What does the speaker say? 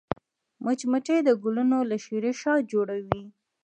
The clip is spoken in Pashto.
مچمچۍ د ګلونو له شيرې شات جوړوي